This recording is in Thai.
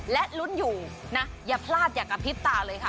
และลุ้นอยู่นะอย่าพลาดอย่ากระพริบตาเลยค่ะ